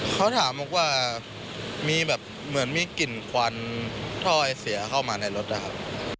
เขาถามบอกว่ามีแบบเหมือนมีกลิ่นควันถ้อยเสียเข้ามาในรถนะครับ